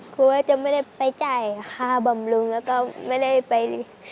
กลัวว่าจะไม่ได้ไปจ่ายค่าบำรุงแล้วก็ไม่ได้ไป